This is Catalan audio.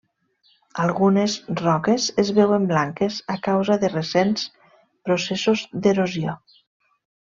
Algunes roques es veuen blanques a causa de recents processos d'erosió.